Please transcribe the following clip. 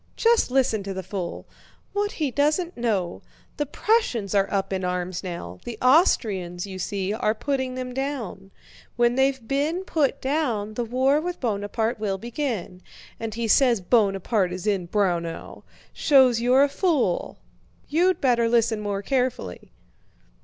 Just listen to the fool, what he doesn't know! The Prussians are up in arms now. The Austrians, you see, are putting them down. When they've been put down, the war with Buonaparte will begin. And he says Buonaparte is in Braunau! Shows you're a fool. You'd better listen more carefully!"